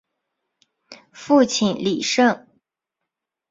父亲李晟。